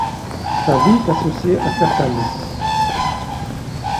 Sa vie est associée à certains mythes.